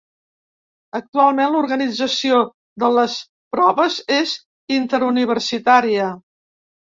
Actualment, l'organització de les proves és interuniversitària.